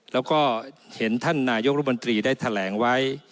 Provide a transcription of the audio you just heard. แล้วก็เห็นท่านนายกรมนตรีได้แถลงไว้